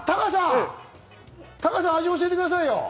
貴さん、味教えてくださいよ。